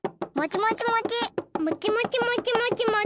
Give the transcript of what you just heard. もちもちもちもちもち？